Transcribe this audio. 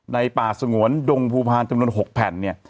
ป่าสงวนดงภูพาลจำนวน๖แผ่นเนี่ย